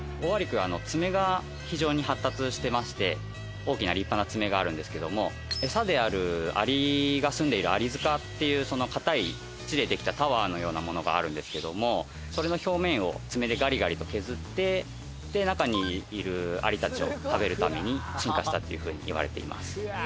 大きな立派な爪があるんですけどもエサであるアリが棲んでいるアリ塚っていう硬い土でできたタワーのようなものがあるんですけどもそれの表面を爪でガリガリと削って中にいるアリたちを食べるために進化したっていうふうにいわれています。